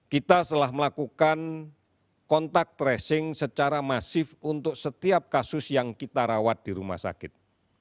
kita telah melakukan kontak tracing secara masif untuk setiap kasus yang kita rawat di rumah sakit